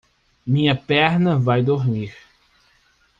Minha perna vai dormir.